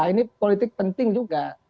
ini politik penting juga